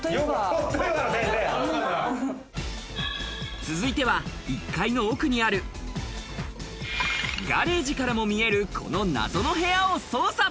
続いては１階の奥にあるガレージからも見える、この謎の部屋を捜査。